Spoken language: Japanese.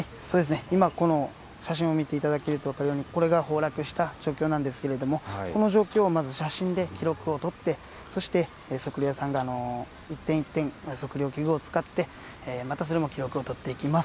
今、この写真を見ていただけると分かるように、これが崩落した状況なんですけれども、この状況をまず、写真で記録をとって、そして測量屋さんが１点１点、測量器具を使って、またそれも記録をとっていきます。